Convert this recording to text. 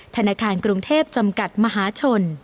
ธนาคารกรุงเทพจำกัดมหาชน